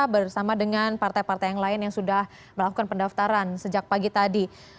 bersama dengan partai partai yang lain yang sudah melakukan pendaftaran sejak pagi tadi